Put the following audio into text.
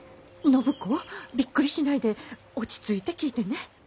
暢子びっくりしないで落ち着いて聞いてね。